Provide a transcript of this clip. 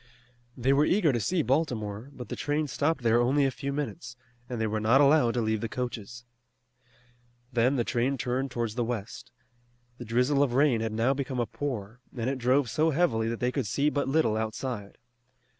They were eager to see Baltimore, but the train stopped there only a few minutes, and they were not allowed to leave the coaches. Then the train turned towards the west. The drizzle of rain had now become a pour, and it drove so heavily that they could see but little outside.